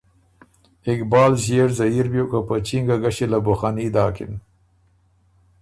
اقبال ݫيېړ زيير بیوک او په چینګه ګݭی له بو خني داکِن،